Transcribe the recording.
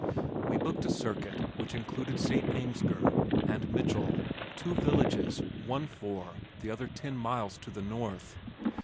We booked a circuit which included St. Ansgar and Mitchell, two villages, one four, the other ten miles to the north.